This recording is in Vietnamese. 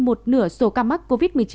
một nửa số ca mắc covid một mươi chín